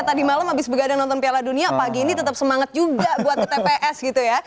tadi malam habis begadang nonton piala dunia pagi ini tetap semangat juga buat ke tps gitu ya